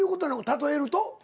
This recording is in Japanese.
例えると？